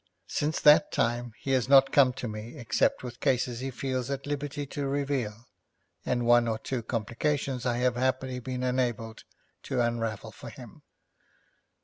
Since that time he has not come to me except with cases he feels at liberty to reveal, and one or two complications I have happily been enabled to unravel for him.